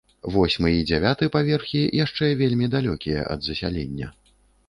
Восьмы і дзявяты паверхі яшчэ вельмі далёкія ад засялення.